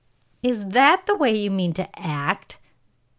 "Is that the way you mean to act?"